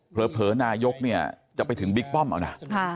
เผลอนายกเนี่ยจะไปถึงบิ๊กป้อมเอานะ